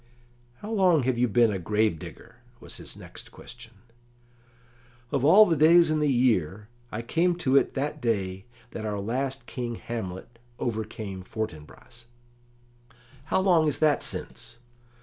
"How long have you been a grave digger?" was his next question. "Of all the days in the year, I came to it that day that our last King Hamlet overcame Fortinbras." "How long is that since?"